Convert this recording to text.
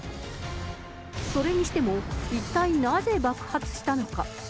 それにしても、一体なぜ爆発したのか。